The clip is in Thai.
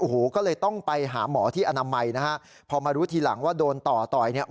โอ้โหก็เลยต้องไปหาหมอที่อนามัยนะฮะพอมารู้ทีหลังว่าโดนต่อต่อยเนี่ย